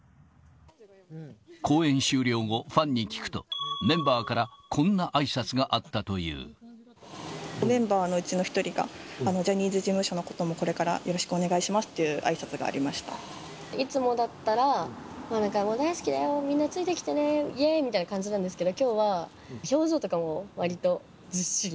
公演終了後、ファンに聞くと、メンバーからこんなあいさつがあメンバーのうちの１人が、ジャニーズ事務所のこともこれからよろしくお願いしますっていういつもだったら、大好きだよ、みんなついてきてね、イエーイみたいな感じなんですけど、きょうは表情とかもわりとずっしり。